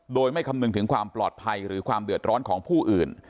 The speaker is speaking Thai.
โดยไม่คำนึงถึงความปลอดภัยหรือความเดือดร้อนของผู้อื่น